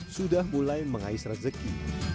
sudah mulai mengais rezeki